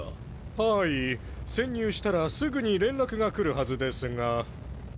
はい潜入したらすぐに連絡が来るはずですが。